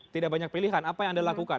tidak banyak pilihan apa yang anda lakukan